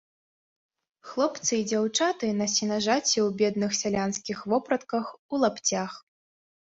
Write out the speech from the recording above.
Хлопцы і дзяўчаты на сенажаці ў бедных сялянскіх вопратках, у лапцях.